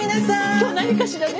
今日何かしらね？